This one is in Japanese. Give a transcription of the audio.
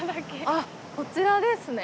あっこちらですね。